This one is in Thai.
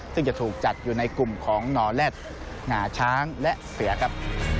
ซึ่งจะถูกจัดอยู่ในกลุ่มของหน่อแร็ดหงาช้างและเสือครับ